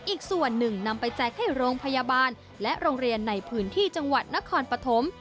อีกส่วนหนึ่งนำไปแจกให้โรงพยาบาลและโรงเรียนในพื้นที่จังหวัดนครปฐม